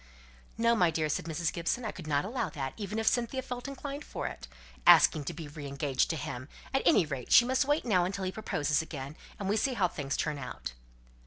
"No, my dear," said Mrs. Gibson. "I could not allow that, even if Cynthia felt inclined for it. Asking to be re engaged to him! At any rate, she must wait now until he proposes again, and we see how things turn out."